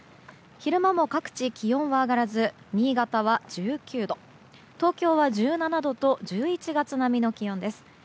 昼間も各地、気温は上がらず新潟は１９度、東京は１７度と１１月並みの気温です。